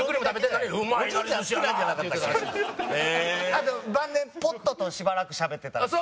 あと晩年ポットとしばらくしゃべってたらしい。